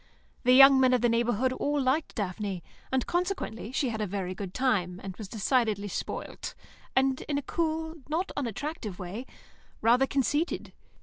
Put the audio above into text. The young men of the neighbourhood all liked Daphne, and consequently she had a very good time, and was decidedly spoilt, and, in a cool, not unattractive way, rather conceited.